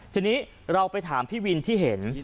ทีนี้เราไปถามพี่วินที่เห็น